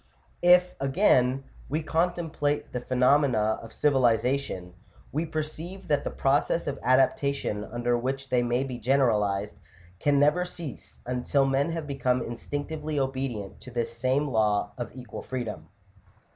V.). If, again, we contemplate the phe nomena of civilization, we perceive that the process of adapta tion under which they may be generalized, can never cease until men have become instinctively obedient to this same law of equal freedom (Chap.